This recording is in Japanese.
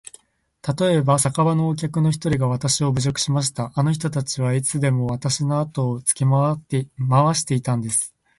たとえば、酒場のお客の一人がわたしを侮辱しました。あの人たちはいつでもわたしのあとをつけ廻していたんです。